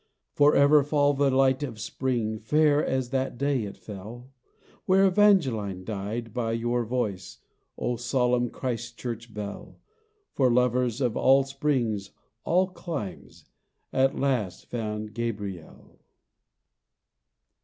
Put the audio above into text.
Forever fall the light of spring Fair as that day it fell, Where Evangeline, led by your voice, O solemn Christ Church bell! For lovers of all springs, all climes, At last found Gabriel.